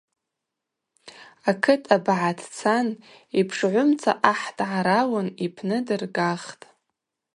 Акыт абагӏатцан, йпшгӏумца ахӏ дгӏарауын йпны дыргахтӏ.